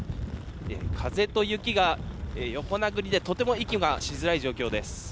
風と雪が横殴りでとても息がしづらい状況です。